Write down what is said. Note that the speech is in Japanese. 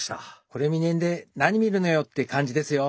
これ見ねえで何見るのよって感じですよ。